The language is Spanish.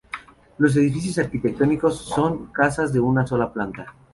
Los edificios arquitectónicos son casas de una sola planta.